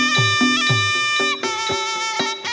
โชว์ที่สุดท้าย